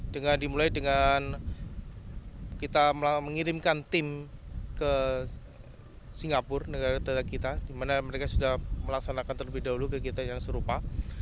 dengan dimulai dengan kita mengirimkan tim ke singapura negara negara kita di mana mereka sudah melaksanakan terlebih dahulu kegiatan yang serupa